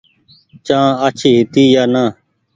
چآن آڇي هيتي يا نآ۔